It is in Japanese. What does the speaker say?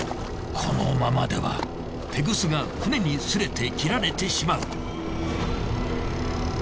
このままではテグスが船にすれて切られてしまう。